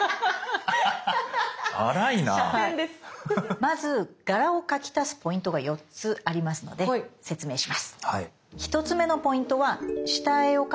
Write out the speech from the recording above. まず柄を描き足すポイントが４つありますので説明します。